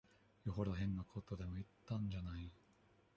よほど変なことでも言ったんじゃない。